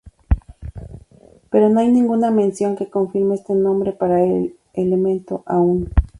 Pero no hay ninguna mención que confirme este nombre para el elemento aún.